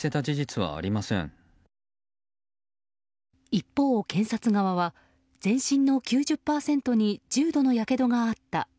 一方、検察側は全身の９０％に重度のやけどがあった。